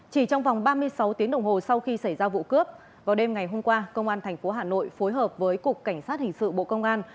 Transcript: chỉ trong vòng ba mươi sáu tiếng đồng hồ sau khi xảy ra vụ cướp vào đêm ngày hôm qua công an tp hà nội phối hợp với cục cảnh sát hình sự bộ công an